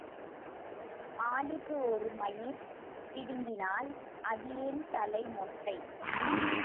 ஆளுக்கு ஒரு மயிர் பிடுங்கினால் அடியேன் தலை மொட்டை.